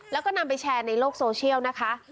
แล้วก็นำไปแชร์ในโลกโซเชียลนะคะ